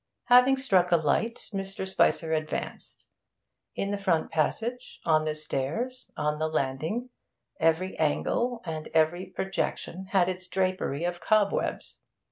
Having struck a light, Mr. Spicer advanced. In the front passage, on the stairs, on the landing, every angle and every projection had its drapery of cobwebs.